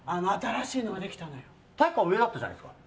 体育館上だったじゃないですか？